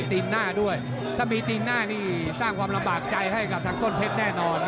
ตีนหน้าด้วยถ้ามีตีนหน้านี่สร้างความลำบากใจให้กับทางต้นเพชรแน่นอน